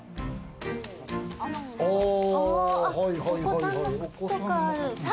お子さんの靴とかある。